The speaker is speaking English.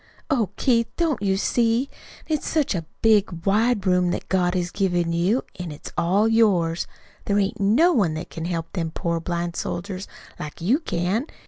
Oh, Keith, don't you see? An' it's such a big, wide room that God has given you, an' it's all yours. There ain't no one that can help them poor blind soldiers like you can.